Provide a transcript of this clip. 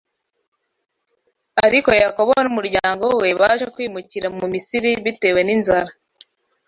Ariko Yakobo n’umuryango we baje kwimukira mu Misiri bitewe n’inzara